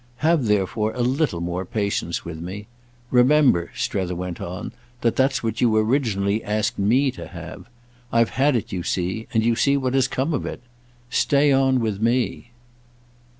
Have therefore a little more patience with me. Remember," Strether went on, "that that's what you originally asked me to have. I've had it, you see, and you see what has come of it. Stay on with me."